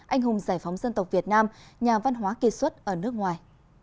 anh hùng giải phóng dân tộc việt nam nhà văn hóa kỳ xuất ở nước ngoài